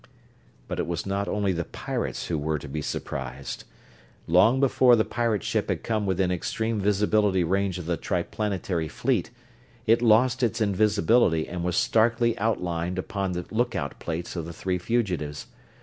But it was not only the pirates who were to be surprised. Long before the pirate ship had come within extreme visibility range of the Triplanetary Fleet, it lost its invisibility and was starkly outlined upon the lookout plates of the three fugitives.